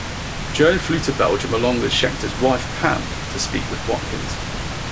Joann flew to Belgium along with Scheckter's wife Pam to speak with Watkins.